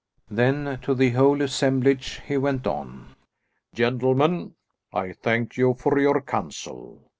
Then to the whole assemblage he went on "Gentlemen, I thank you for your counsel.